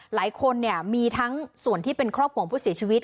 หลายคนเนี่ยมีทั้งส่วนที่เป็นครอบครัวของผู้เสียชีวิต